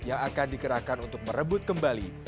yang akan dikerahkan untuk merebut kembali